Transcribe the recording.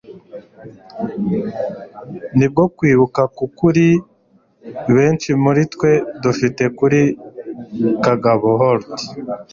Nibwo kwibuka kwukuri benshi muritwe dufite kuri Kagabo Holt